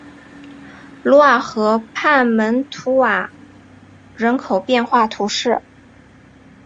卢瓦河畔蒙图瓦尔人口变化图示